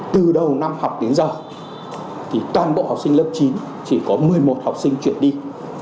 từ đầu năm học đến giờ thì toàn bộ học sinh lớp chín chỉ có một mươi một học sinh chuyển đi